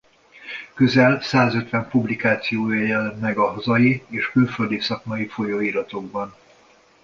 Közel százötven publikációja jelent meg hazai és külföldi szakmai folyóiratokban.